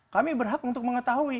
kami berhak untuk mengetahui